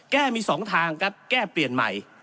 แก้มี๒ทางครับแก้เปลี่ยนใหม่